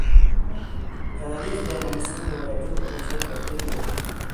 تاریخ د افغانستان د ولایاتو په کچه توپیر لري.